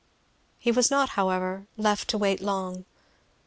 He was not however left to wait long.